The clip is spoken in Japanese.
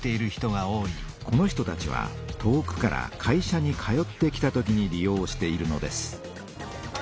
この人たちは遠くから会社に通ってきた時に利用しているのです。